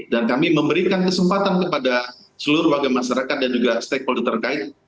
dan kami memberikan kesempatan kepada seluruh warga masyarakat dan juga stakeholder terkait